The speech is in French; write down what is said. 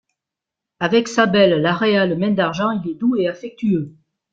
Avec sa belle, Laérale Maindargent, il est doux et affectueux.